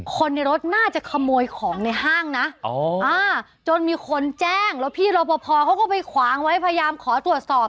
คนในรถน่าจะขโมยของในห้างนะจนมีคนแจ้งแล้วพี่รอปภเขาก็ไปขวางไว้พยายามขอตรวจสอบ